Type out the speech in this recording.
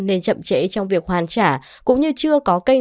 nên chậm trễ trong việc hoàn trả cũng như chưa có kênh